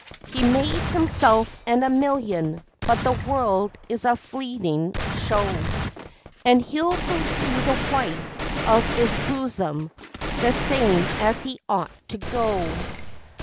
He made himself and a million, but this world is a fleetin' show, And he'll go to the wife of 'is bosom the same as he ought to go.